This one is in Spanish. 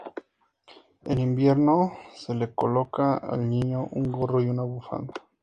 En invierno se le coloca al niño un gorro y una bufanda.